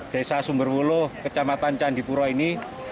desa sumbervulu kecamatan candituro ini